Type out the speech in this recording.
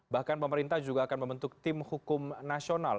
bahkan pemerintah juga akan membentuk tim hukum nasional